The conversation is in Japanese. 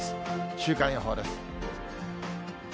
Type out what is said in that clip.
週間予報です。